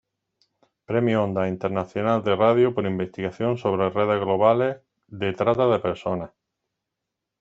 Premio Ondas Internacional de Radio por investigación sobre redes globales de trata de personas.